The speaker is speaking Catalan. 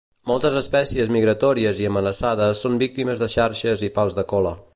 Moltes espècies migratòries i amenaçades són víctimes de xarxes i pals de cola.